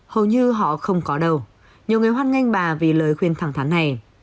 hầu như họ không có đâu nhiều người hoan nghênh bà vì lời khuyên thẳng thắn này